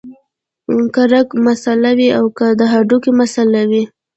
کۀ رګ مسئله وي او کۀ د هډوکي مسئله وي